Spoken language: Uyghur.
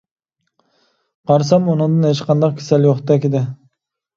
قارىسام ئۇنىڭدا ھېچقانداق كېسەل يوقتەك ئىدى.